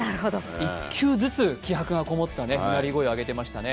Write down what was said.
１球ずつ気迫のこもったうなり声を上げていましたね。